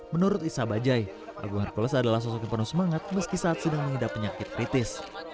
menurut isa bajai agung hercules adalah sosok yang penuh semangat meski saat sedang mengidap penyakit kritis